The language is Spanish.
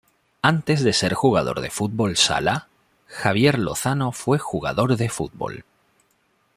Antes de ser jugador de fútbol sala, Javier Lozano fue jugador de fútbol.